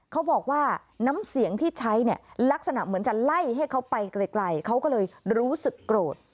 เขาบอกว่าน้ำเสียงที่ใช้เนี่ยลักษณะเหมือนจะไล่ให้เขาไปไกลเขาก็เลยรู้สึกโกรธ